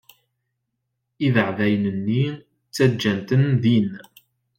Ibeεbayen-nni, ttaǧǧant-ten din.